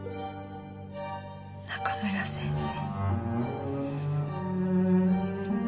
中村先生。